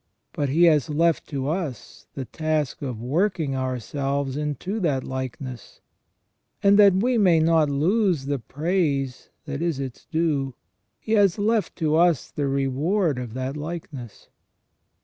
But he has left to us the task of working ourselves into that likeness; and that we may not lose the praise that is its due, He has left to us the reward of that likeness.